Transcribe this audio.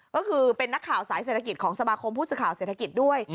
ก็คือเป็นนักข่าวสายเศรษฐกิจของสมาคมผู้สื่อข่าวเศรษฐกิจด้วย